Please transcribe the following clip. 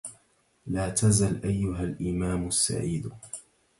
لا تزل أيها الإمام السعيد